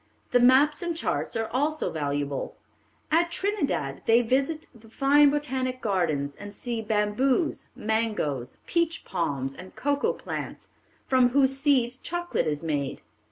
The maps and charts are also valuable. At Trinidad they visit the fine Botanic Gardens, and see bamboos, mangoes, peach palms, and cocoa plants, from whose seeds chocolate is made.